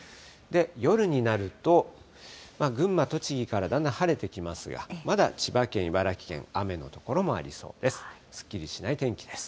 夜になると、群馬、栃木からだんだん晴れてきますが、まだ千葉県、茨城県、雨の所もありそうです。